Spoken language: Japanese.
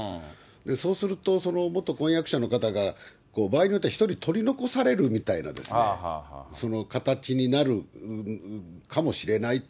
そうすると、その元婚約者の方が場合によっては１人取り残されるみたいな、その形になるかもしれないと。